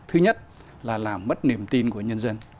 thứ nhất là làm mất niềm tin của nhân dân